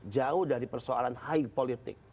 jauh dari persoalan high politik